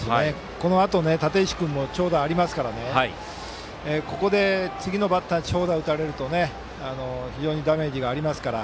このあとの立石君も長打がありますからここで次のバッターに長打を打たれると非常にダメージがありますから。